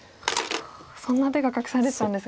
そんな手が隠されてたんですか。